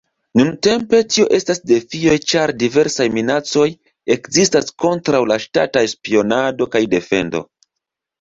Nuntempe, tio estas defioj ĉar diversaj minacoj ekzistas kontraŭ la ŝtataj spionado kaj defendo.